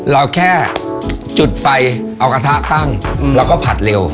เราแค่จุดไฟเอากระทะตั้งแล้วก็ผัดเร็ว